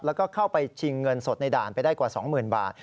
แล้วก็เข้าไปชิงเงินสดในด่านไปได้กว่า๒๐๐๐บาท